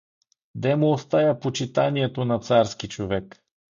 Де му остая почитанието на царски човек?